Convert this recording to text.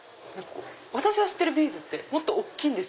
私が知ってるビーズってもっと大きいんです